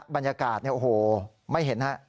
บรรยากาศเนี่ยโอ้โหไม่เห็นฮะ